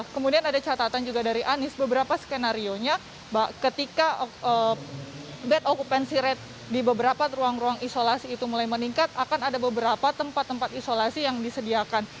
kemudian ada catatan juga dari anies beberapa skenario nya ketika bed occupancy rate di beberapa ruang ruang isolasi itu mulai meningkat akan ada beberapa tempat tempat isolasi yang disediakan